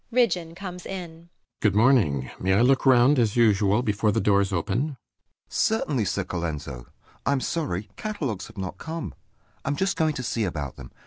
Ridgeon comes in. RIDGEON. Good morning. May I look round, as well, before the doors open? THE SECRETARY. Certainly, Sir Colenso. I'm sorry catalogues have not come: I'm just going to see about them.